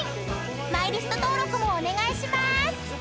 ［マイリスト登録もお願いします］